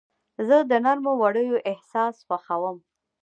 زه د نرمو وړیو احساس خوښوم.